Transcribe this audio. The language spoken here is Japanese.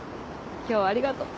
今日はありがとう。